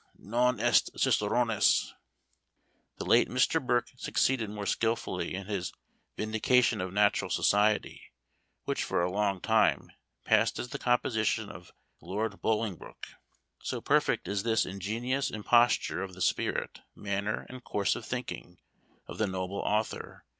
non est Ciceronis_." The late Mr. Burke succeeded more skilfully in his "Vindication of Natural Society," which for a long time passed as the composition of Lord Bolingbroke; so perfect is this ingenious imposture of the spirit, manner, and course of thinking of the noble author.